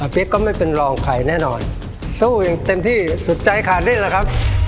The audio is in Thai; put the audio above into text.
เป๊กก็ไม่เป็นรองใครแน่นอนสู้อย่างเต็มที่สุดใจขาดเล่นแล้วครับ